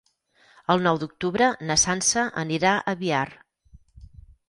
El nou d'octubre na Sança anirà a Biar.